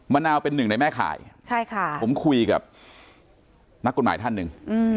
นาวเป็นหนึ่งในแม่ข่ายผมคุยกับนักกฎหมายท่านหนึ่ง